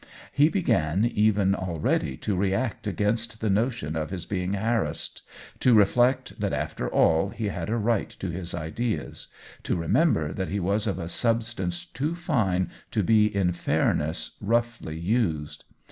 He began even already to react against the notion of his being harassed — to reflect that, after all, he had a right to his ideas — to remember that he was of a substance too fine to be in fairness roughly used.